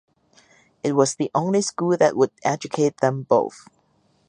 It was the only school that would educate them both.